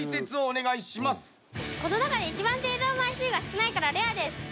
この中で一番製造枚数が少ないからレアです。